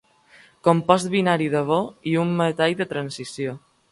Compost binari de bor i un metall de transició.